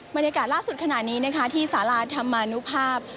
บรรยากาศล่าสุดขณะนี้นะคะที่สาราธรรมนุภาพ